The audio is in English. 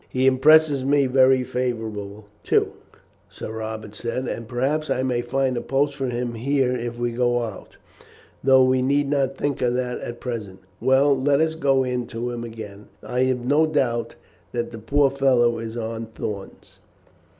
"He impresses me very favourably too," Sir Robert said, "and perhaps I may find a post for him here if we go out, though we need not think of that at present. Well, let us go in to him again. I have no doubt that the poor fellow is on thorns."